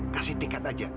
kasih tiket aja